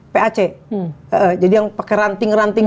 pac jadi yang pakai ranting ranting